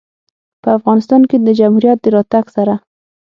په افغانستان کې د جمهوریت د راتګ سره